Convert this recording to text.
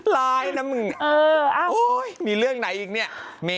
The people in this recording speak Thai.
พี่มีเรื่องไหนอีกเนี่ย